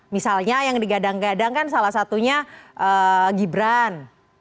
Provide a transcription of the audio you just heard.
misalnya yang digadang gadang kan salah satunya gibran